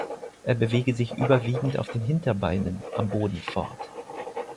Er bewege sich überwiegend auf den Hinterbeinen am Boden fort.